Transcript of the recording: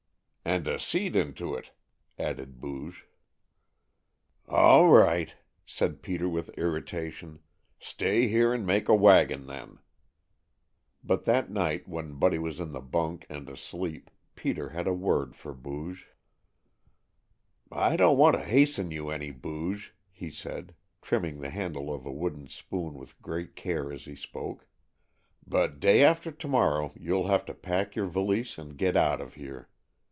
"And a seat into it," added Booge. "All right," said Peter with irritation, "stay here and make a wagon, then," but that night when Buddy was in the bunk and asleep, Peter had a word for Booge. "I don't want to hasten you any, Booge," he said, trimming the handle of a wooden spoon with great care as he spoke, "but day after to morrow you'll have to pack your valise and get out of here.